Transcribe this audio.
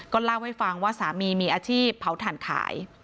เล่าให้ฟังว่าสามีมีอาชีพเผาถ่านขาย